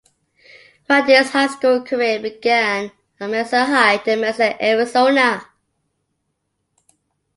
Rattay's high school career began at Mesa High, in Mesa, Arizona.